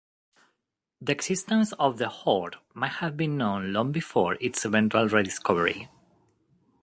The existence of the hoard may have been known long before its eventual rediscovery.